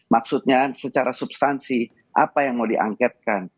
maksudnya secara substansi apa yang mau diangketkan